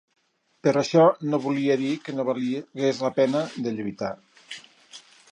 Però això no volia dir que no valgués la pena de lluitar